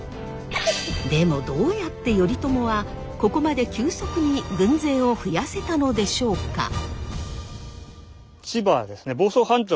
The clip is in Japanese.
でもどうやって頼朝はここまで急速に軍勢を増やせたのでしょうか？